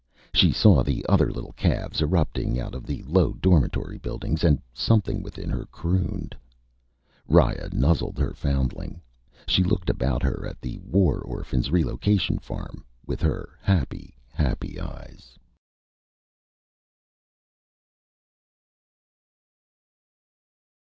She saw the other little calves erupting out of the low dormitory buildings, and something within her crooned. Riya nuzzled her foundling. She looked about her at the War Orphans' Relocation Farm with her happy, happy eyes.